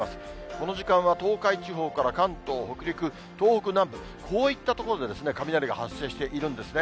この時間は東海地方から関東、北陸、東北南部、こういった所で雷が発生しているんですね。